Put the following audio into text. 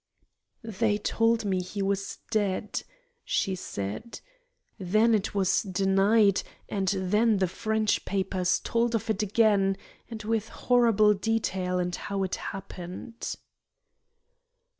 "They told me he was dead," she said. "Then it was denied, and then the French papers told of it again, and with horrible detail, and how it happened."